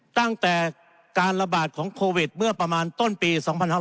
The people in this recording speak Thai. ตั้งแต่การระบาดของโควิดเมื่อประมาณต้นปี๒๕๖๐